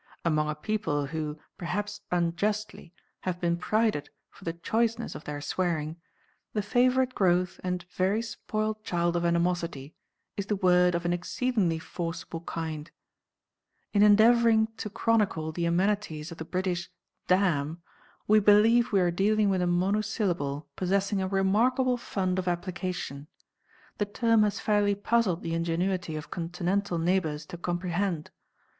Among a people who, perhaps unjustly, have been prided for the choiceness of their swearing, the favourite growth and very spoilt child of animosity is the word of an exceedingly forcible kind. In endeavouring to chronicle the amenities of the British "damn," we believe we are dealing with a monosyllable possessing a remarkable fund of application. The term has fairly puzzled the ingenuity of continental neighbours to comprehend.